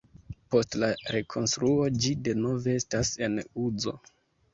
Post la rekonstruo ĝi denove estas en uzo.